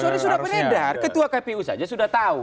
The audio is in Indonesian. sejak sore sudah beredar ketua kpu saja sudah tahu